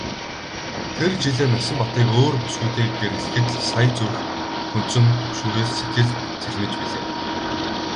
Тэр жилээ Насанбатыг өөр бүсгүйтэй гэрлэхэд л сая зүрх хөндсөн түгшүүрээс сэтгэл цэлмэж билээ.